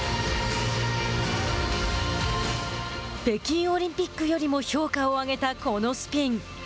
北京オリンピックよりも評価を上げた、このスピン。